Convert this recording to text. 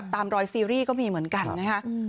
ตามรอยซีรีส์ก็มีเหมือนกันนะคะ